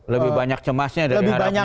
lebih banyak cemasnya dari harapan